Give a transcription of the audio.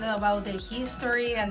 mereka mulai mengenai sejarahnya